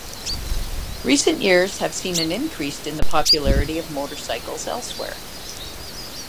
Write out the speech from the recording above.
Recent years have seen an increase in the popularity of motorcycles elsewhere.